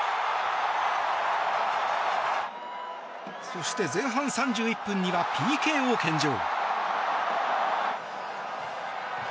そして、前半３１分にはＰＫを献上。